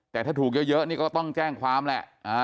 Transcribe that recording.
แต่ถ้าถูกเยอะนี่ก็ต้องแจ้งความแหละ